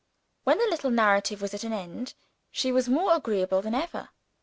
When the little narrative was at an end, she was more agreeable than ever.